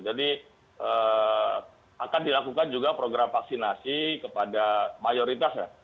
jadi akan dilakukan juga program vaksinasi kepada mayoritas